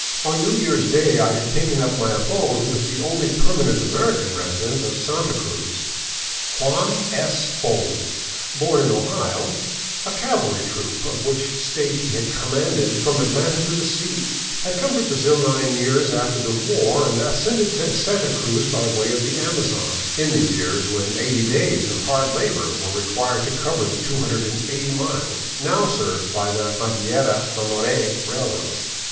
On New Year's Day I had taken up my abode with the only perma nent American resident of Santa Cruz. " Juan " S. Bowles, born in Ohio — a cavalry troop of which state he had commanded from Atlanta to the sea — had come to Brazil nine years after the war and ascended to Santa Cruz by way of the Amazon, in the years when 80 days of hard labor were required to cover the 280 miles now served by the Madeira Mamore railroad.